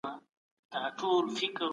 چېري د محکمې غونډي علني جوړیږي؟